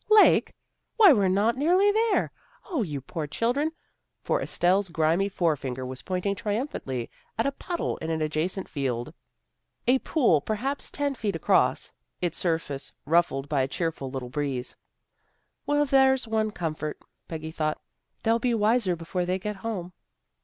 " Lake! Why, we're not nearly there. O, you poor children! " For Estelle's grimy fore finger was pointing triumphantly at a puddle in an adjacent field, a pool perhaps ten feet across, its surface ruffled by a cheerful little breeze. " Well, there's one comfort," Peggy thought. " They'll be wiser before they get home."